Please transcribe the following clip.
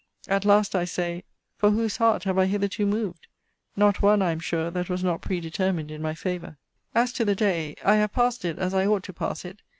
At last, I say; for whose heart have I hitherto moved? Not one, I am sure, that was not predetermined in my favour. As to the day I have passed it, as I ought to pass it.